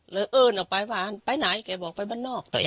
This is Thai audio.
เลยเอิ้นออกไปบ้านไปไหนแกบอกไปบ้านนอกตัวเนี้ย